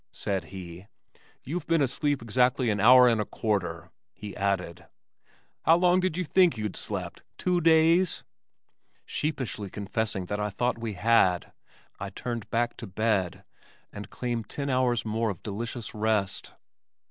said he. "You've been asleep exactly an hour and a quarter," he added. "How long did you think you'd slept two days?" Sheepishly confessing that I thought we had, I turned back to bed, and claimed ten hours more of delicious rest.